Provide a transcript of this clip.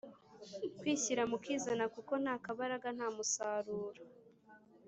Kwishyira mu kizana kuko ntakabaraga nta musaruro.